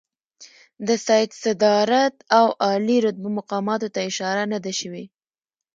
د سید صدارت او عالي رتبه مقاماتو ته اشاره نه ده شوې.